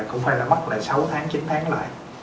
cũng phải là mắc lại sáu tháng chín tháng lại